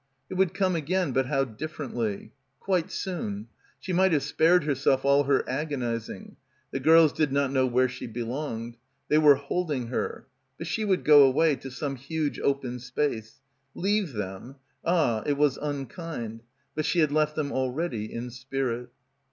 It would come again, but how differently. Quite soon. She might have spared herself all her agonising. The girls did not know where she belonged. They were holding her. But she would go away, to some huge open space. Leave them — ah, it was unkind. But she had left them already in spirit.